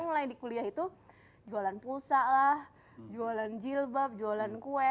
mulai di kuliah itu jualan pulsa lah jualan jilbab jualan kue